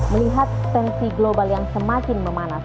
melihat tensi global yang semakin memanas